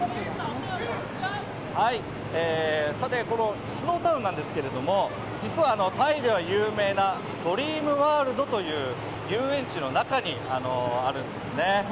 このスノータウンなんですけれども、実はタイでは有名なドリームワールドという遊園地の中にあるんですね。